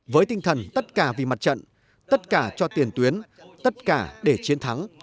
với tinh thần tất cả vì mặt trận tất cả cho tiền tuyến tất cả để chiến thắng